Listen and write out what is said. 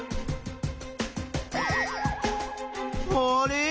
あれ？